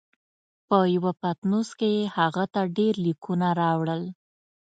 په یوه پتنوس کې یې هغه ته ډېر لیکونه راوړل.